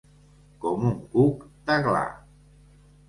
Com un cuc d'aglà.